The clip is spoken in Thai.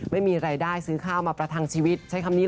ไม่มีรายได้ซื้อข้าวมาประทังชีวิต